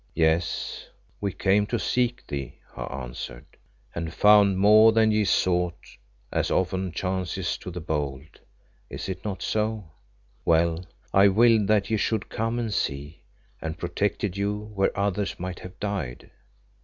"Yes, we came to seek thee," he answered. "And found more than ye sought, as often chances to the bold is it not so? Well, I willed that ye should come and see, and protected you where others might have died."